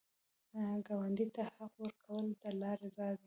ګاونډي ته حق ورکول، د الله رضا ده